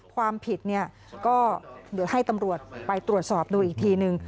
ความผิดเนี่ยก็เดี๋ยวให้ตำรวจไปตรวจสอบดูอีกทีนึง